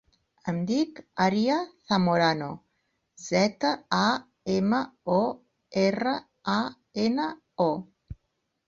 Em dic Arya Zamorano: zeta, a, ema, o, erra, a, ena, o.